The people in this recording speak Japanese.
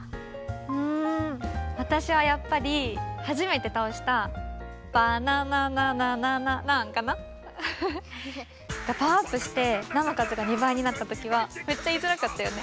うんわたしはやっぱりはじめてたおしたパワーアップしてナのかずが２ばいになったときはめっちゃいいづらかったよね。